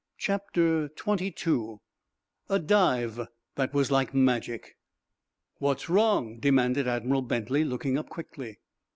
CHAPTER XXII A DIVE THAT WAS LIKE MAGIC "What's wrong?" demanded Admiral Bentley, looking up quickly.